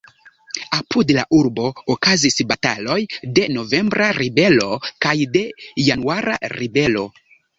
Apud la urbo okazis bataloj de novembra ribelo kaj de januara ribelo.